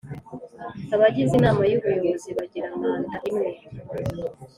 Abagize Inama y Ubuyobozi bagira manda imwe